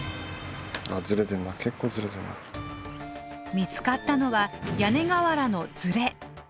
見つかったのは屋根瓦のずれ。